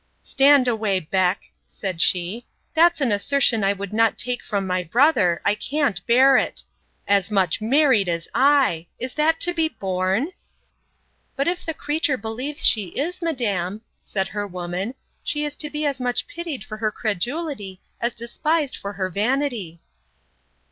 Stand away, Beck, said she. That's an assertion that I would not take from my brother, I can't bear it. As much married as I!—Is that to be borne? But if the creature believes she is, madam, said her woman, she is to be as much pitied for her credulity, as despised for her vanity.